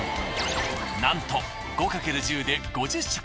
なんと５×１０で５０食